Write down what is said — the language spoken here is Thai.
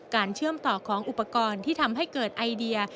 เชื่อมต่อของอุปกรณ์ที่ทำให้เกิดไอเดีย